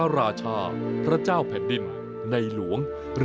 ติดตามได้จากรายงานพิเศษชิ้นนี้นะคะ